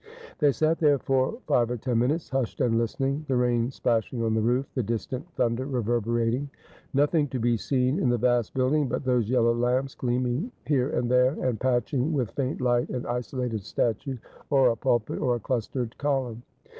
They sat there for five or ten minutes, hushed and Ustening ; the rain splashing on the roof, the distant thunder reverbera ting ; nothing to be seen in the vast building but those yellow lamps gleaming here and there, and patching with faint light an isolated statue, or a pulpit, or a clustered column.